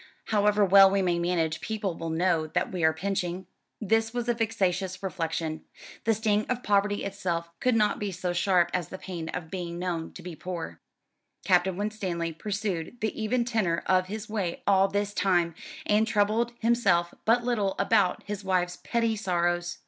"However well we may manage, people will know that we are pinching." This was a vexatious reflection. The sting of poverty itself could not be so sharp as the pain of being known to be poor. Captain Winstanley pursued the even tenor of his way all this time, and troubled himself but little about his wife's petty sorrows.